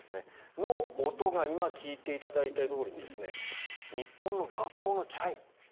その音が今、聞いていただいたとおりに日本の学校のチャイム。